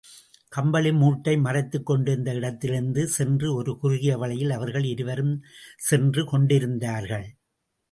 கம்பளி மூட்டை மறைத்துக் கொண்டிருந்த இடத்திலிருந்து சென்ற ஒரு குறுகிய வழியில் அவர்கள் இருவரும் சென்று கொண்டிருந்தார்கள்.